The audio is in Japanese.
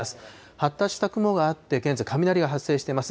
発達した雲があって、現在、雷が発生しています。